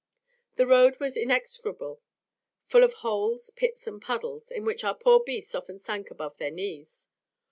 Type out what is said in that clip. The road was execrable; full of holes, pits, and puddles, in which our poor beasts often sank above their knees.